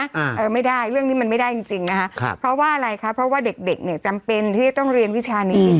อ่าเออไม่ได้เรื่องนี้มันไม่ได้จริงจริงนะคะครับเพราะว่าอะไรคะเพราะว่าเด็กเด็กเนี่ยจำเป็นที่จะต้องเรียนวิชานี้